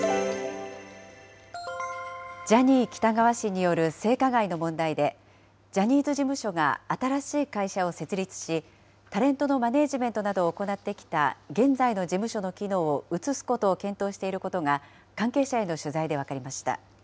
ジャニー喜多川氏による性加害の問題で、ジャニーズ事務所が新しい会社を設立し、タレントのマネージメントなどを行ってきた現在の事務所の機能を移すことを検討していることが、関係者への取材で分かりました。